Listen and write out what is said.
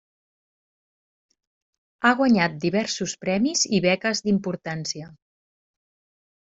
Ha guanyat diversos premis i beques d'importància.